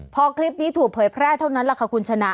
พอคลิปนี้ถูกเผยแพร่เท่านั้นแหละค่ะคุณชนะ